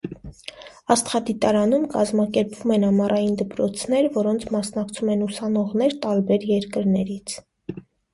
Աստղադիտարանում կազմակերպվում են ամառային դպրոցներ, որոնց մասնակցում են ուսանողներ տարբեր երկրներից։